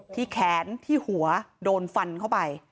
ที่แขนที่หัวโดนฟันเข้าไป